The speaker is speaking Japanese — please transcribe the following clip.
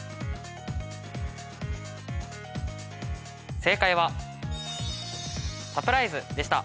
正解は、サプライズでした。